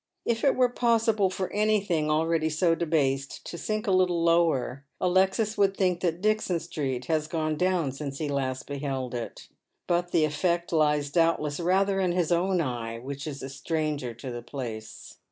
If it were pos sible for anything already so debased to sink a little lower, Alexia would think that Dixon Street has gone down since he last beheld it. But the effect lies doubtless rather in his own eye, which is a stranger to the place.